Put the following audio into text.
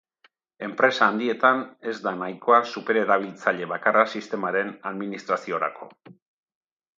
Enpresa handietan ez da nahikoa supererabiltzaile bakarra sistemaren administraziorako.